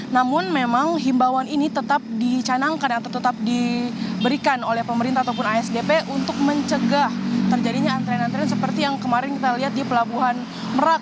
namun memang himbawan ini tetap dicanangkan atau tetap diberikan oleh pemerintah ataupun asdp untuk mencegah terjadinya antrian antrian seperti yang kemarin kita lihat di pelabuhan merak